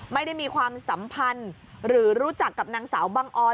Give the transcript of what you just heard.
ไม่ได้มีความสัมพันธ์หรือรู้จักกับนางสาวบังออน